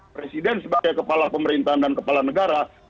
presiden sebagai kepala pemerintahan dan kepala negara